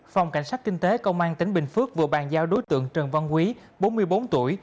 phòng cảnh sát kinh tế công an tỉnh bình phước vừa bàn giao đối tượng trần văn quý bốn mươi bốn tuổi